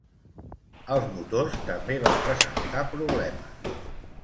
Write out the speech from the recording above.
Els motors també van presentar problemes.